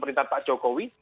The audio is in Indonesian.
pemerintahan pak jokowi